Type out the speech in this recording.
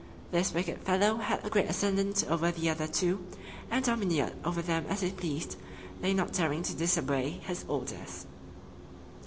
This wicked fellow had a great ascendant over the other two, and domineered over them as he pleased, they not daring to disobey his orders.